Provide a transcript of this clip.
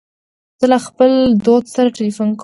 زه له خپل دوست سره تلیفون کوم.